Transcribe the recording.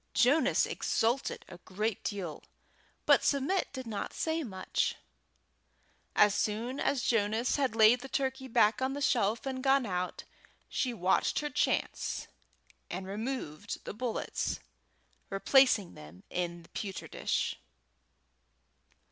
Jonas exulted a great deal, but Submit did not say much. As soon as Jonas had laid the turkey back on the shelf and gone out, she watched her chance and removed the bullets, replacing them in the pewter dish.